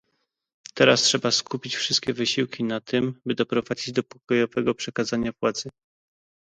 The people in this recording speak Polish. Teraz trzeba skupić wszystkie wysiłki na tym, by doprowadzić do pokojowego przekazania władzy